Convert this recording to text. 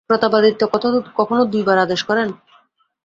প্রতাপাদিত্য কখনও দুইবার আদেশ করেন?